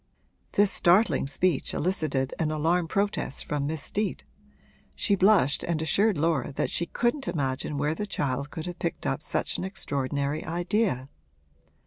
This startling speech elicited an alarmed protest from Miss Steet; she blushed and assured Laura that she couldn't imagine where the child could have picked up such an extraordinary idea.